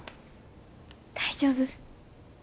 大丈夫？